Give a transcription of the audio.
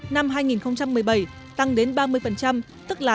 năm hai nghìn một mươi bảy tăng đến ba mươi tức là tám mươi